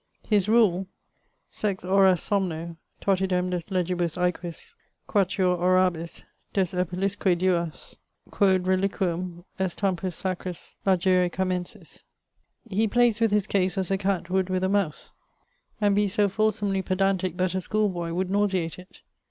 His rule: Sex horas somno, totidem des legibus aequis, Quatuor orabis, des epulisque duas, Quod reliquum est tempus sacris largire Camenis. He playes with his case as a cat would with a mouse, and be so fulsomely pedantique that a school boy would nauseate it.